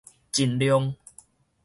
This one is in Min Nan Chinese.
盡量